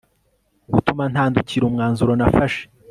gutuma ntandukira umwanzuro nafashe